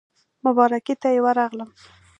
مبارکۍ ته یې ورغلم.